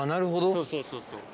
そうそうそうそう。